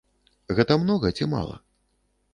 Гэта многа ці мала?